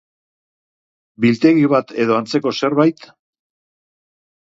Biltegi bat edo antzeko zerbait?